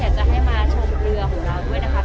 อยากจะที่นั่งชมเรือของเราด้วย